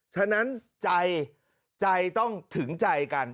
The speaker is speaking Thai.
ฉะนั้นใจใจต้องถึงใจกัน